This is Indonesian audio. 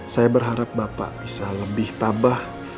saya berharap bapak bisa lebih tabah